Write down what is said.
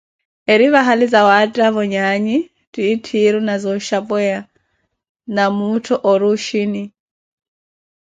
Eri vahali zawattavo nyaanyi titthiru na zooxhapweya na muuttho ori oxhini.